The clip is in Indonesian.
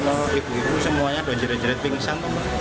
masih ya menetap sama ibu ibu semuanya dan jerit jerit pingsan